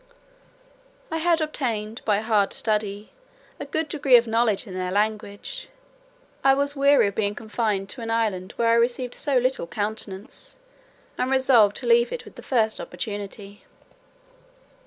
I had obtained, by hard study, a good degree of knowledge in their language; I was weary of being confined to an island where I received so little countenance, and resolved to leave it with the first opportunity.